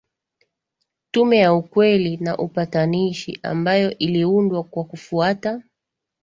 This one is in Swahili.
Tume ya ukweli na upatanishi ambayo iliundwa kwa kufuata